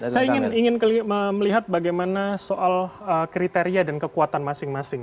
saya ingin melihat bagaimana soal kriteria dan kekuatan masing masing